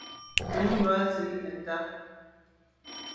Nummb’a zin neta.